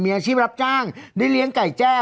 มีอาชีพรับจ้างได้เลี้ยงไก่แจ้